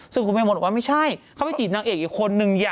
ซึ่งคุณแม่มดบอกว่าไม่ใช่เขาไปจีบนางเอกอีกคนนึง